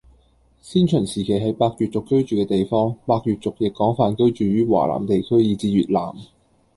先秦時期係百越族居住嘅地方，百越族亦廣泛居住於華南地區以至越南